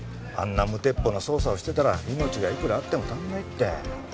あんな無鉄砲な捜査をしてたら命がいくらあっても足りないって。